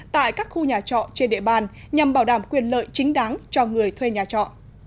tại các khu nhà trọ trên địa bàn nhằm bảo đảm quyền lợi chính đáng cho người thuê nhà trọ